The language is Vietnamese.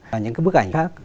và những cái bức ảnh khác